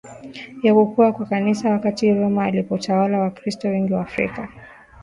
ya kukua kwa Kanisa Wakati Roma ilipotawala Wakristo wengi Waafrika